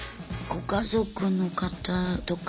ご家族の方とかは。